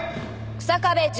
日下部准。